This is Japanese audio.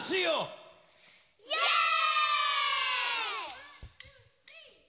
イエーイ！